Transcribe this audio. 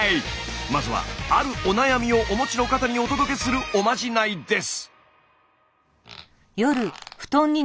まずはあるお悩みをお持ちの方にお届けするおまじないです。